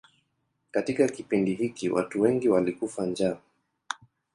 Katika kipindi hiki watu wengi walikufa njaa.